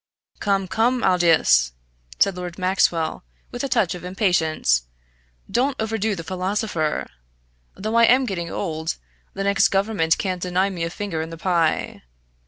"Come, come, Aldous!" said Lord Maxwell with a touch of impatience, "don't overdo the philosopher. Though I am getting old, the next Government can't deny me a finger in the pie.